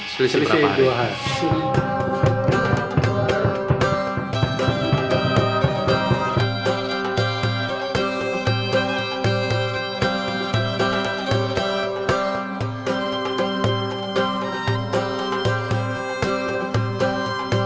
selisih dua hari